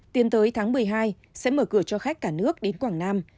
tiến tới tháng một mươi hai sẽ mở cửa cho khách cả nước đến quảng nam